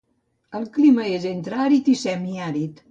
El clima és entre àrid i semiàrid.